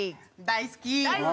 大好き！